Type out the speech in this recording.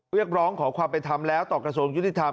เรียกร้องขอความไปทำแล้วต่อกระทรวงยุทธิธรรม